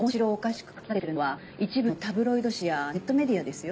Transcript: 一部のタブロイド誌やネットメディアですよ。